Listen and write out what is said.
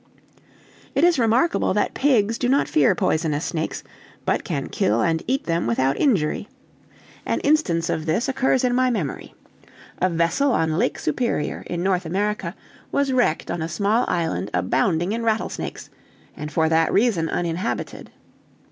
"It is remarkable that pigs do not fear poisonous snakes, but can kill and eat them without injury. An instance of this occurs to my memory. A vessel on Lake Superior, in North America, was wrecked on a small island abounding in rattlesnakes, and for that reason uninhabited.